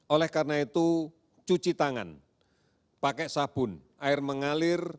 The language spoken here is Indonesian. oleh karena itu cuci tangan pakai sabun air mengalir